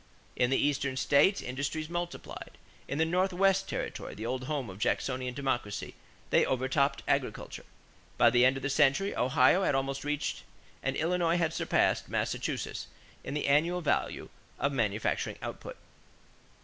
In the Eastern states industries multiplied. In the Northwest territory, the old home of Jacksonian Democracy, they overtopped agriculture. By the end of the century, Ohio had almost reached and Illinois had surpassed Massachusetts in the annual value of manufacturing output.